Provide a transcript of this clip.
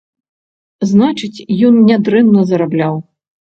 Значыць, ён нядрэнна зарабляў.